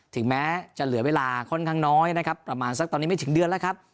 ถึงแม้จะเหลือเวลาค่อนข้างน้อยนะครับประมาณสักตอนนี้ไม่ถึงเดือนแล้วครับ